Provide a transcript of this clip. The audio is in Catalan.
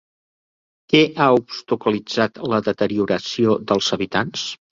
Què ha obstaculitzat la deterioració dels hàbitats?